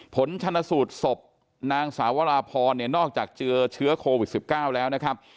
ผลชนสูตรศพนางสาวราพรเนี่ยนอกจากเจอเชื้อโควิด๑๙แล้วนะครับ